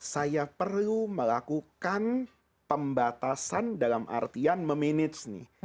saya perlu melakukan pembatasan dalam artian memanage nih